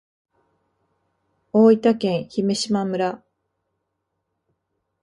大分県姫島村